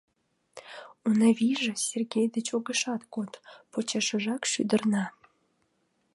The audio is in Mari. Унавийже Сергей деч огешат код, почешыжак шӱдырна!»